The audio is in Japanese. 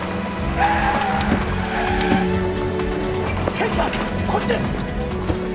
刑事さんこっちです！